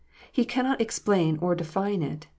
He cannot explain or define it.